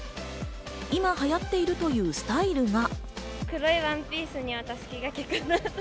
いま流行っているというスタイルが。